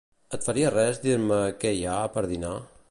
Et faria res dir-me què hi ha per dinar?